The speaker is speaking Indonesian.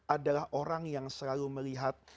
adalah orang yang selalu melihat